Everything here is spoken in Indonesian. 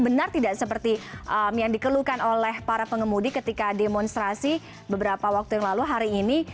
benar tidak seperti yang dikeluhkan oleh para pengemudi ketika demonstrasi beberapa waktu yang lalu hari ini